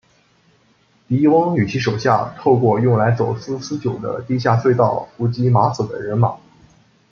狄翁与其手下透过用来走私私酒的地下隧道伏击马索的人马。